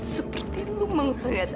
seperti lu menghangat